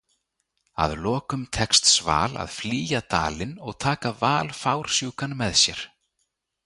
Að lokum tekst Sval að flýja dalinn og taka Val fársjúkan með sér.